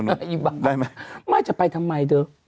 ไอ้บังไม่จะไปทำไมเดอะ